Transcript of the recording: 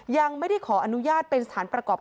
ยังไม่ได้ขออนุญาตเป็นสถานประกอบการ